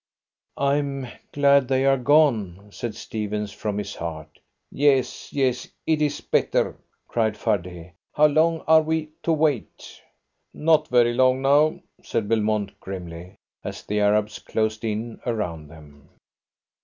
"I am glad they are gone," said Stephens, from his heart. "Yes, yes, it is better," cried Fardet. "How long are we to wait?" "Not very long now," said Belmont grimly, as the Arabs closed in around them.